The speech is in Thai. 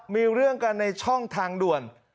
มีเรื่องกันในช่องทางด่วน